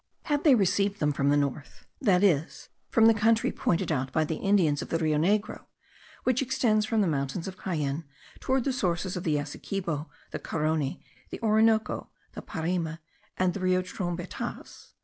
Had they received them from the north, that is, from the country pointed out by the Indians of the Rio Negro, which extends from the mountains of Cayenne towards the sources of the Essequibo, the Carony, the Orinoco, the Parime, and the Rio Trombetas?